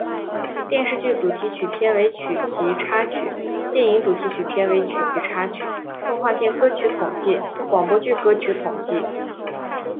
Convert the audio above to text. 电视剧主题曲片尾曲及插曲电影主题曲片尾曲及插曲动画片歌曲统计广播剧歌曲统计